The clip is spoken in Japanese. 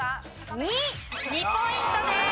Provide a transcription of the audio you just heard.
２。２ポイントです。